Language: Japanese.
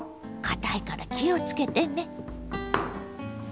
かたいから気をつけてね。